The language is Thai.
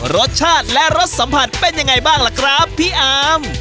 รสชาติและรสสัมผัสเป็นยังไงบ้างล่ะครับพี่อาม